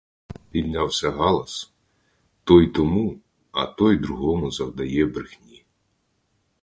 Піднявся галас: той тому, а той другому завдає брехні!